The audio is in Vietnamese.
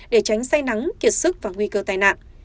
để tránh say nắng kiệt sức và nguy cơ tai nạn